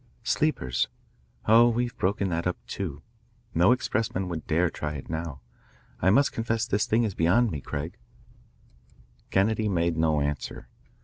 "Sleepers. Oh, we've broken that up, too. No expressman would dare try it now. I must confess this thing is beyond me, Craig." Kennedy made no answer.